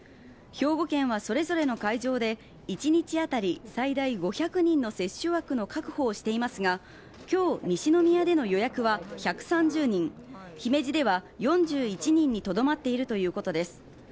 兵庫県はそれぞれの会場で一日当たり最大５００人の接種枠の確保をしていますが、今日、西宮での予約は１３０人、姫路では４１人にとどまっているということです。